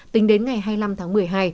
tính đến ngày hai mươi năm tháng một mươi hai